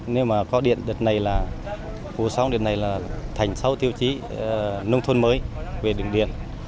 nếu mà có điện đợt này là phù sóng đợt này là thành sáu tiêu chí nông thôn mới về đường điện